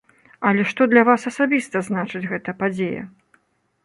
Але што для вас асабіста значыць гэта падзея?